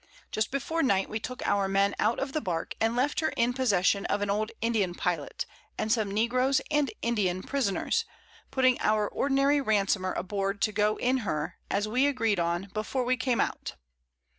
Just before Night we took our Men out of the Bark, and left her in possession of an old Indian Pilot, and some Negroes and Indian Prisoners, putting our ordinary Ransomer aboard to go in her, as we agreed on before we came out.